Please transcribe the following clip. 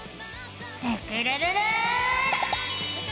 スクるるる！